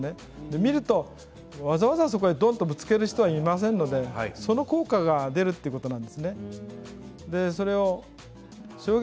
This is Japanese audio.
見るとわざわざそこにぶつける人はいませんのでその効果が出るということです。